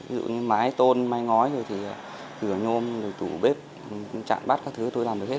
ví dụ như mái tôn mái ngói thì cửa nhôm tủ bếp chạn bát các thứ tôi làm được hết